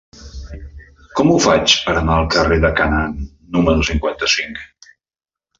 Com ho faig per anar al carrer de Canaan número cinquanta-cinc?